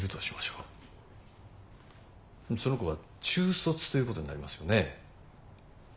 その子は中卒ということになりますよね。